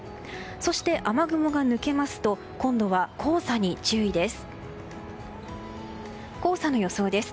そして、雨雲が抜けますと今度は黄砂に注意です。